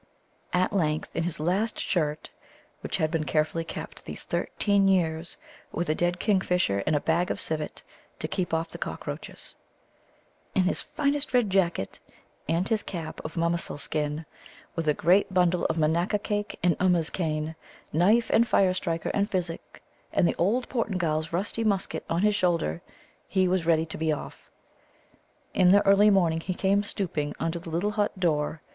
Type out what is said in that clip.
At length, in his last shirt (which had been carefully kept these thirteen years, with a dead kingfisher and a bag of civet, to keep off the cockroaches); in his finest red jacket and his cap of Mamasul skin; with a great bundle of Manaka cake and Ummuz cane, knife and fire striker and physic, and the old Portingal's rusty musket on his shoulder, he was ready to be off. In the early morning he came stooping under the little hut door.